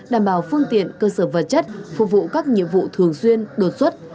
đảm bảo phương tiện cơ sở vật chất phục vụ các nhiệm vụ thường xuyên đột xuất